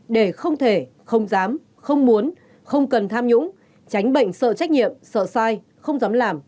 để không thể không dám không muốn không cần tham nhũng tránh bệnh sợ trách nhiệm sợ sai không dám làm